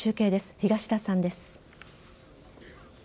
東田さんです。